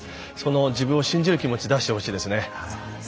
自分の信じる気持ちを出してほしいです。